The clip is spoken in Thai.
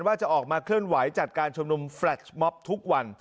ว่าจะออกมาเคลื่อนไหวจัดการชุมนุมแฟลชมอบทุกวัน